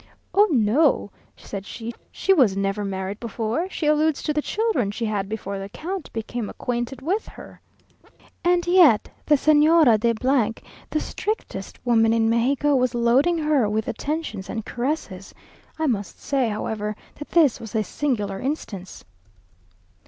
"Oh, no!" said she "she was never married before; she alludes to the children she had before the count became acquainted with her!" And yet the Señora de , the strictest woman in Mexico, was loading her with attentions and caresses. I must say, however, that this was a singular instance....